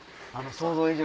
想像以上。